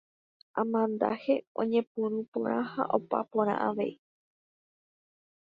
Amandaje oñepyrũ porã ha opa porã avei.